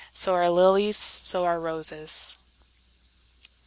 So are lilies, so are roses!